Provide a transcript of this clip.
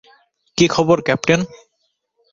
কী খবর, ক্যাপ্টেন?